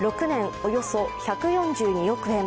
およそ１４２億円。